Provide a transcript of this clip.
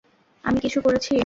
আমি কিছু করেছি?